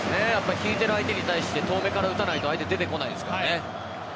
引いている相手に対して遠目から打っていかないとあいてこないですからね。